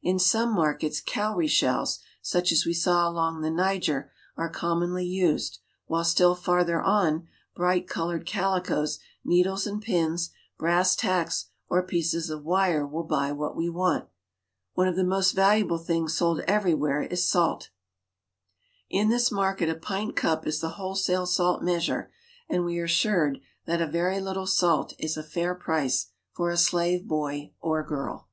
In some markets cowrie shells, such as we saw along the Niger, are commonly used, while still farther on bright colored calicoes, needles, and pins, brass tacks, or pieces of wire will buy what we want. One of the most valuable things sold everywhere is salfe In this market a pint cup is the wholesale salt measure, and we are assured that a very little salt is a fair price for a slave boy or girl.